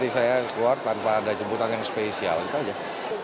saya keluar tanpa ada jemputan yang spesial itu aja